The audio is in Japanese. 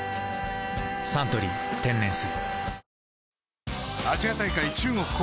「サントリー天然水」